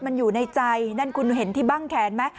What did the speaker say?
มันอยู่ในใจนั่นคุณเห็นที่บ้างแขนไหม